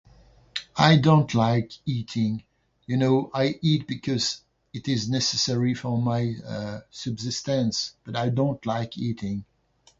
I don't like eating. You know, I eat because it is necessary for my, uh, subsistence, but I don't like eating.